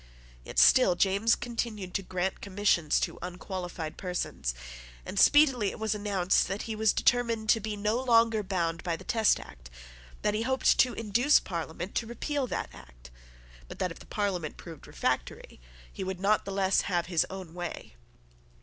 Yet still James continued to grant commissions to unqualified persons; and speedily it was announced that he was determined to be no longer bound by the Test Act, that he hoped to induce the Parliament to repeal that Act, but that, if the Parliament proved refractory, he would not the less have his own way.